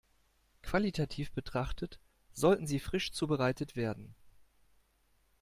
Qualitativ betrachtet, sollten sie frisch zubereitet werden.